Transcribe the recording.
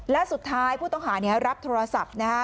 และสุดท้ายผู้ต้องหารับโทรศัพท์นะฮะ